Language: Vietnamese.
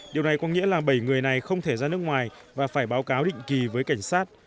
điều này có nghĩa là bảy người này không thể ra nước ngoài và phải báo cáo định kỳ với cảnh sát